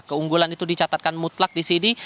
keunggulan itu dicatatkan mutlak di sini